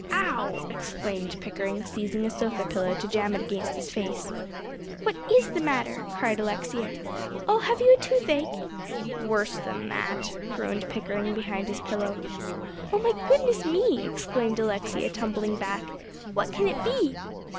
"Ow!" exclaimed Pickering, seizing a sofa pillow, to jam it against his face. "What is the matter?" cried Alexia. "Oh, have you a toothache?" "Worse than that," groaned Pickering behind his pillow. "Oh, my goodness me!" exclaimed Alexia, tumbling back. "What can it be?"